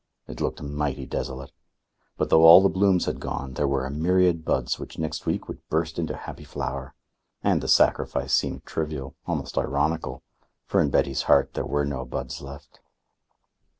It looked mighty desolate. But though all the blooms had gone, there were a myriad buds which next week would burst into happy flower. And the sacrifice seemed trivial, almost ironical; for in Betty's heart there were no buds left.